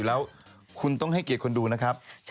วันที่สุดท้าย